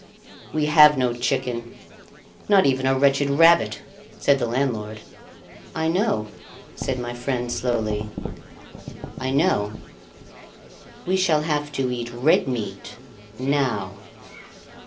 "We have no chicken not even a wretched rabbit," said the landlord. "I know," said my friend slowly; "I know We shall have to eat red meat now."